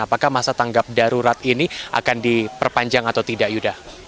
apakah masa tanggap darurat ini akan diperpanjang atau tidak yuda